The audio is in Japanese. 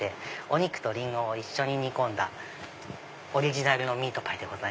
お肉とリンゴを一緒に煮込んだオリジナルのミートパイです。